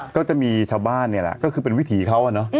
ก็จะมีชาวบ้านนี่แหละก็คือเป็นวิถีเขา